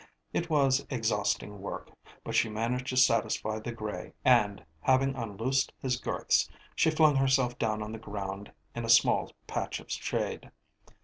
It was exhausting work, but she managed to satisfy the grey, and, having unloosed his girths, she flung herself down on the ground in a small patch of shade.